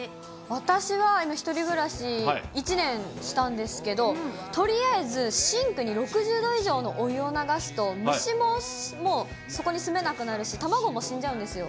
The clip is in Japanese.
私は、１人暮らし、１年したんですけど、とりあえず、シンクに６０度以上のお湯を流すと虫ももうそこに住めなくなるし、卵も死んじゃうんですよ。